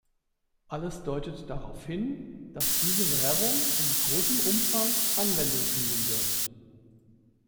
Alles deutet darauf hin, dass diese Währung in großem Umfang Anwendung finden wird.